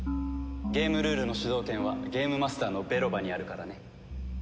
ゲームルールの主導権はゲームマスターのベロバにあるからね。